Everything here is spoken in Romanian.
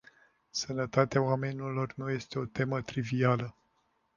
Sănătatea oamenilor nu este o temă trivială.